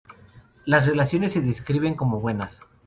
Las relaciones se describen como buenas.